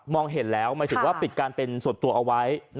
เห็นแล้วหมายถึงว่าปิดการเป็นส่วนตัวเอาไว้